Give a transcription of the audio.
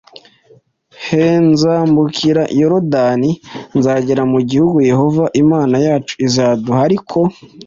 He nzambukira yorodani nkagera mu gihugu yehova imana yacu izaduha ariko